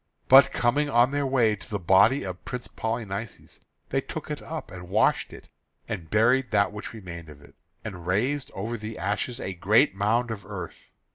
But coming on their way to the body of Prince Polynices, they took it up, and washed it, and buried that which remained of it, and raised over the ashes a great mound of earth.